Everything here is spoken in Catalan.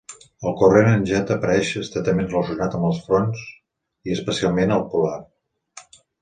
El corrent en Jet apareix estretament relacionat amb els fronts i especialment al polar.